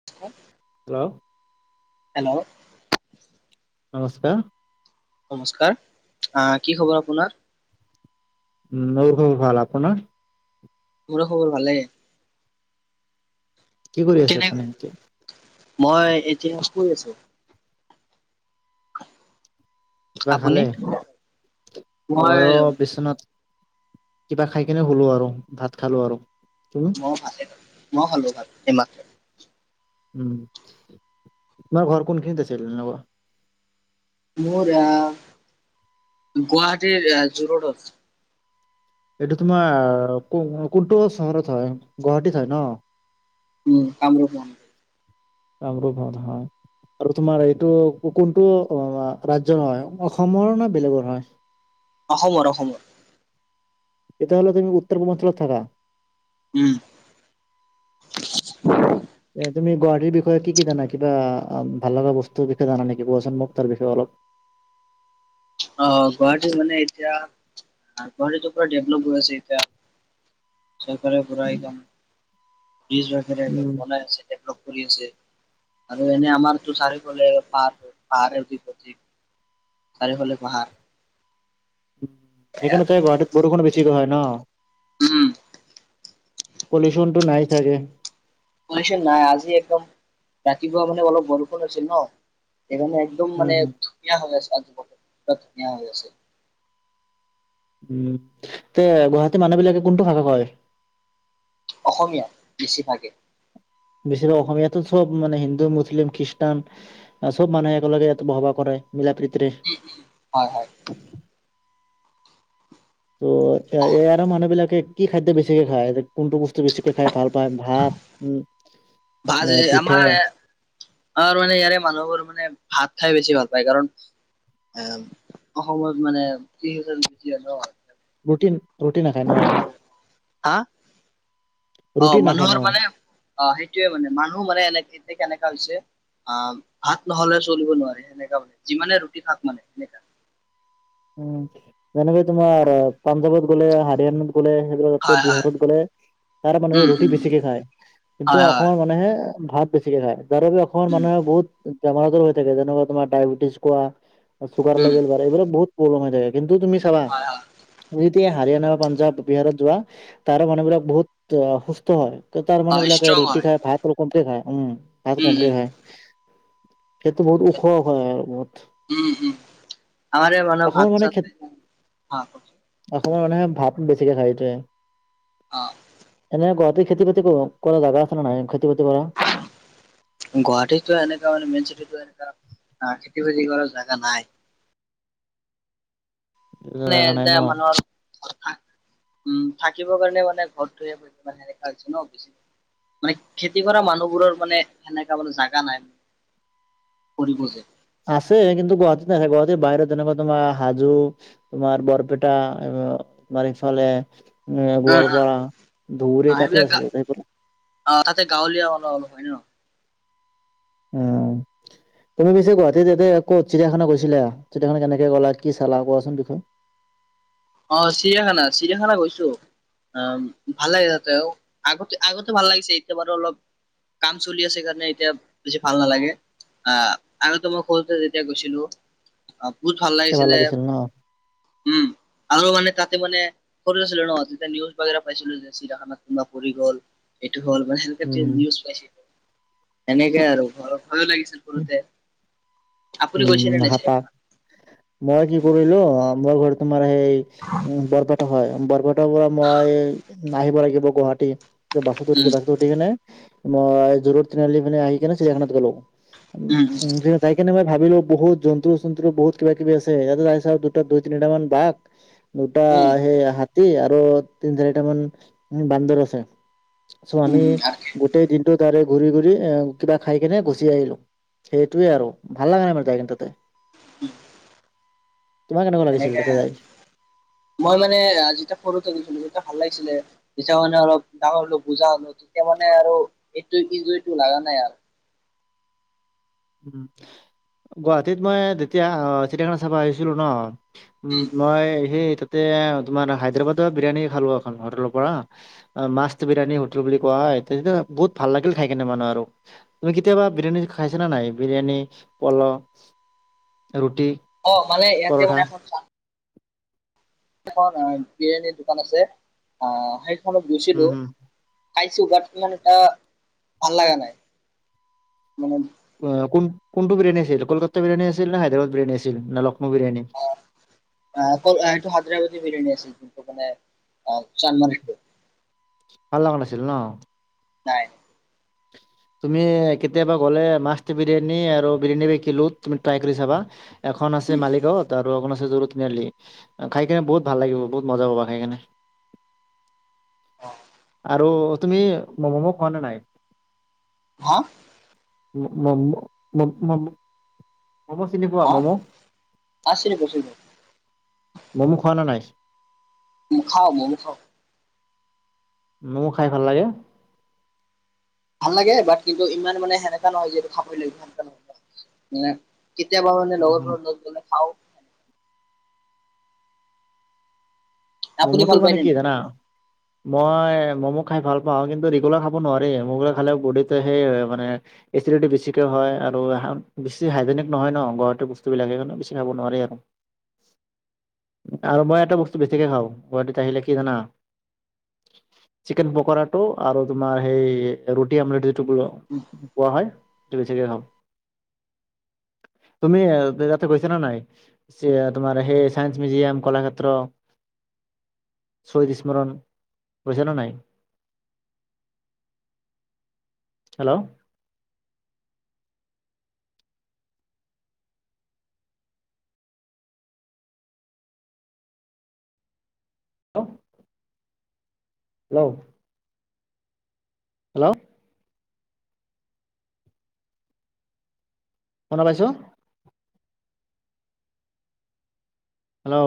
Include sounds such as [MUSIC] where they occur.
[INAUDIBLE] Hello hello নমস্কাৰ নমস্কাৰ অ' কি খবৰ আপোনাৰ উ ন হ [UNINTELLIGIBLE] ভাল আপোনাৰ মোৰো খবৰ ভালেই কি কৰি আছা কেনে মই এতিয়া কৈ আছো কিবা আপুনি খালে মই ময়ো বিচনাত কিবা খাই কেনে হলো আৰু ভাত খালো আৰু মই ভালে মই ভালো ভাল এইমাত্ৰ উম তোমাৰ ঘৰ কোনখিনিত আছিল মোৰ আহ গুৱাহাটীৰ জু ৰোডত এইটো তোমাৰ কোনটো চহৰত হয় গুৱাহাটীত হয় ন উম কামৰূপ কামৰূপত হয় আৰু তোমাৰ এইটো কোনটো ৰাজ্যৰ হয় অসমৰ নে বেলেগৰ হয় অসমৰ অসমৰ তেতিয়া হলে তুমি উত্তৰ পূৰ্বাঞ্চলত থাকা উম [INAUDIBLE] এ তুমি গুৱাহাটীৰ বিষয়ে কি কি জানা কিবা ভাল লগা বস্তুৰ বিষয়ে জানা নেকি কোৱাচোন মোক তাৰ বিষয়ে অলপ অ' গুৱাহাটীত মানে এতিয়া গুৱাহাটীতটো পুৰা ডেভলপ হৈ আছে এতিয়া চৰকাৰে পুৰা একদম বজ [UNINTELLIGIBLE] ৰাখেৰে উম এক বনাই আছে ডেভলপ কৰি আছে আৰু এনে আমাৰতো চাৰিওফালে পাহাৰ পাহাৰ [UNINTELLIGIBLE] চাৰিওফালে পাহাৰ সেইকাৰণে চাগে গুৱাহাটীত বৰষুণো বেছিকৈ হয় ন উম পলিউশনটো নাই ছাগে পল্লিউচন নাই আজি একদম ৰাতিপুৱা মানে অলপ বৰষুণ আছিল ন সেইকাৰণে একদম উম, মানে হম ধুনীয়া হৈ আছেআজি ধুনীয়া হৈ আছে উম গুৱাহাটী মানুহ বিলাকে কোনটো ভাষা কয় অসমীয়া বেছিভাগেই বেচিভাগ অসমীয়াতো চব মান হিন্দু, মুছলিম, খ্ৰীষ্টান আছো মানু একেলগে ইটো ভবা কৰাই মিলা প্ৰীতিৰে হয়, হয় অ', এ এয়া মানুহ বিলাকে কি খাদ্য বেছিকে খায় কোনটো বছ বেছিকৈ খাই ভাল পায় ভাত উ নে পিঠা? আৰু মানে ইয়াৰে মানুহবোৰ মানে ভাত খাই বেছি ভাল পায় কাৰণ এ অসমত মানে কিহু বেছি হয় ন ৰুট ৰুটি নাখায় ন হা অ, ৰুটি নাখায় ন? মানুহৰ মানে অ, সেইটোৱে মানে, মানুহ মানে এনে এ কেনেকা হৈছে আহ ভাত নহলে চলিব নোৱাৰে সেনেকা মানে যিমানে ৰুটি খাক মানে সেনেকা উম যেনেকে তোমাৰ পাঞ্জাৱত গ'লে হাৰিয়ানাত গ'লেই তাত হয় হয় বিহাৰত গ'লে তাৰ মানুহে উম ৰুটি উম বেছিকে খায় কিন্তু হয় হয় অসমৰ মানুহে ভাত বেছিকে খাই যাৰ বাবে অমান উম মানুে বহুত বমাৰ আজৰ হৈ থাকে যেনেকুৱা তোমাৰ ডায়বেটিছ কোৱা চুগাৰ উম লেভেল বাাৰ এইবিলাক বহুত প্ৰব্লেম হৈ যায় কিন্তু তুমি চাবা হয় হয় যেতিয়া হাৰিয়ানা বা পাঞ্জাৱ বিহাৰত যোৱা তাৰো মানুহবিলাক বহুত সুস্থ হয়। তাৰ অ মানুহ বিলাকে ষ্ট্ৰং ৰুটি হয় খাই ভাত ৰ কমক খায় উম ভাত উম কমক উম খায় সেইটো বহুত ওখ হয় আৰু বহুত উম উম আমাৰ মান অসমৰ ভাত মানে খে চাত খ অসমৰ মানুহে ভাত বেছিকে খায় এইটোয়েই অ', এনে ঘৰতে খেতি বাতি কৰা জোগা আছে নে নাই খেতি বাতি কৰা গুৱাহাটীতো এনেকা মানে মেইন চিটো এনেকা অ খেতি বাতি কৰাৰ জাগা নাই মানে জেগা নাই যে ন মানুহৰ উম থাকিব কাৰণে মানে ঘৰত ধে মে দেখাছ ন মানে খেতি কৰা মানুহবোৰৰ মানে সেনেকা মানে জাগা নাই কৰিব যে আছে কিন্তু গুৱাহাটীত নছে গুৱাহাটীৰ বাহিৰত যেনেকুৱা তোমাৰ হাজো তোমাৰ বৰপেটা তোমাৰ এইফালে এ অ গোৱালপাৰা অ ধুবুৰি তাতে সেইবিলাক গা আছে অ তাতে গাঁৱলীয়া অলপ অলপ হয় নে ন উম তুমি পিছে গুৱাহাটীত এতে কত চিয়াখনে গৈছিলা চিয়াখান কেনেকে গ'লা কি চালা কোৱাচোন দুখূ অ চিৰিয়াখানা চিৰিয়াখানা গৈছো অ ভাল লাগে তাতেও আগতে আগতে ভাল লাগিছে এতিয়া বাৰু অলপ কাম চলি আছে কাৰণে এতিয়া বেছি ভাল নালাগে আহ আগতেো মই সৰুতে যেতিয়া গৈছিলো অ বহুত ভাল তেতিয়া লাগিছিলে লাগিছিল ন উম আৰু মানে তাতে মানে সৰু আছিলো ন তেতিয়া নিউজ বাগে পাইছিলো যে চিৰাখান কোনবা পৰি গ'ল এইটো হ'ল মানে উম নিউজ পাইছিলো তেনেকে আৰু ভয় লাগিছে পৰুতে উম হাপাক মই কি কৰিলো মই ঘৰত তোমাৰ সেই উ বৰপেটা হয় বৰপেটাৰ পৰা মই আহিব লাগিব গুৱাহাটী বাছত উঠিলে উম বাছত উ কেনে ম জোৰত তিনিআলি পিনে আহি কিনে চিয়াখানাত গলো উম উ তাইকেনত ভাবিলো বহুত জন্তু চন্তুৰ বহুত কিবা কিবি আছে ইয়াতে তাই চাও দুটা দুই তিনিটা মান বাঘ দুটা উম সেই হাতী আৰু তিন চাৰিটাামান বান্দৰ আছে চ উম আমি উম আৰু কি? গোটেই দিন তাৰে ঘূৰি ঘুৰি এ কিবা খাই কিনে ঘুচি আহিলো সেইটোয়ে আৰু ভাল লগা নাই যাই খেনে তাতে তোমাক কেনেকুৱা লাগিছিল এনেকে তাতে যাই মই মানে ৰাজ সৰুত আহিছিলো যেতিয়া ভাল লাগিছিলে যেতিয়া মানে অলপ ডাঙৰ বুজা হলো তেতিয়া মানে আৰু এইটো [UNINTELLIGIBLE] লা নাই আৰু উ গুৱাহাটীত মই তেতিয়া চিটয়াখানা চাব আহিছিলো ন উম মই সেই তাতে তোমাৰ হায়দৰাবাদৰ বিৰিয়ানী খালো এখন হোটেলৰ পৰা মাষ্ট বিৰিয়ানী হোটেল বুলি কোৱা হয় বহুত ভাল লাগিল খাই কেনে মানে আৰু তুমি কেতিয়াবা বিৰিয়ানী খাইছা না নাই বিৰিয়ানী পল ৰুটি অ মানে ইয়াতে পৰঠা মানে এখন চ এখন বিৰিয়ানীৰ দোকান আছে অহ সেইখনত উম, গৈছিলো হুম। খাইছো বাত সিমানে এটা ভাল লগা নাই মানে উ কোনটো বিৰিয়ানী আছিল কলকাতা বিৰায়ী আছিল ন হাদদৰাবাদ বিৰিয়ানী আছিল ন লক্ষ্ণৌ বিৰিয়ানী সটো হায়দৰাবাদে বিৰিয়ানী আছিল কিন্তু মান অ চানমাৰটো ভাল লগা আছিল ন নাই [INAUDIBLE] তুমি কেতিয়াবা গ'লে মাষ্ট বিৰিয়ানী আৰু বিৰিয়ানী বি কিলো তুমি ত্ৰাই কৰি চাবা এখন আছে উম উম মালিগাঁৱত আৰু এখন আছে যু ৰুড তিনিআলি খাই কেনে বহুত ভাল লাগিব বহুত মজা পাবা খাই কেনে অ আৰু তুমি ম'ম'ম' খোৱা নে নাই হ, [UNINTELLIGIBLE] ম'ম' চিনি পোৱা হা ম'ম' আছিল বস্তু ম'ম'। খোৱা না নাই? ম, খা ম-ম খাওঁ। মম খাই ভাল লাগে। ভাল লাগে বাট কিন্তু ইমান মানে সেনেকা নহয় যে এইটো খাবৈ লাগিব [UNINTELLIGIBLE] মানে। কেতিয়াবা‌‌ মানে লগৰবোৰৰ লগত গলে খাওঁ। মম আপুনি টো ভাল পায় মানে নে কি নাই? জানা। মই ম'ম' খাই ভাল পাওঁ কিন্তু ৰেগুলাৰ খাব নোৱাৰি, খালে বডিটো সেই হয় মানে। এচিডিটি বেছিকে হয় আৰু বেছি হাইজেনিক নহয় ন ঘৰত বস্তুবিলাক সেইকাৰণে বেছি খাব নোৱাৰি আৰু। আৰু মই এটা বস্তু বেছিকে খাওঁ গুৱাহাটীত আহিলে কি জানা। চিকেন পকৰাটো আৰু তোমাৰ সেই ৰুটি আমলেট যিটো [UNINTELLIGIBLE] [UNINTELLIGIBLE] [UNINTELLIGIBLE] টো বেছি কে খাওঁ। তুমি [UNINTELLIGIBLE] তে গৈছা নে নাই তোমাৰ সেই চাইেন্স মিউজিয়াম কলাক্ষেত্ৰ। শ্বহীদ স্মৰণ গইছা নে নাই। হেল্ল, [UNINTELLIGIBLE] হেল্ল, হেল্ল, শুনা পাইছো। হেল্ল,